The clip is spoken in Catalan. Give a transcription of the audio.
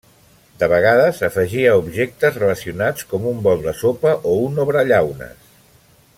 De vegades afegia objectes relacionats com un bol de sopa o un obrellaunes.